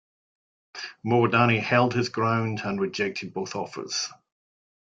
Moerdani held his ground and rejected both offers.